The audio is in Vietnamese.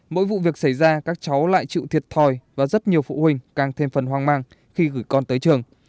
mỗi vụ việc xảy ra các cháu lại chịu thiệt thòi và rất nhiều phụ huynh càng thêm phần hoang mang khi gửi con tới trường